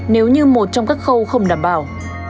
nếu như một trong các khâu không đảm bảo